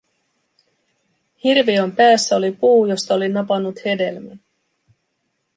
Hirviön päässä oli puu, josta olin napannut hedelmän.